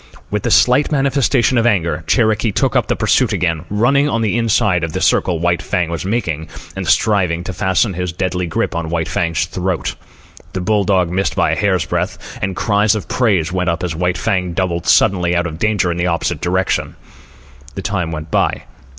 With a slight manifestation of anger, Cherokee took up the pursuit again, running on the inside of the circle White Fang was making, and striving to fasten his deadly grip on White Fang's throat. The bull dog missed by a hair's breadth, and cries of praise went up as White Fang doubled suddenly out of danger in the opposite direction. The time went by.